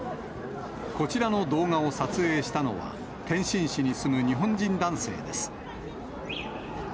こちらの動画を撮影したのは、天津市に住む日本人男性です。